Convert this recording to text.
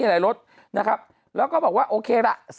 ไม่มีอะไรลดแล้วก็บอกว่าโอเคล่ะ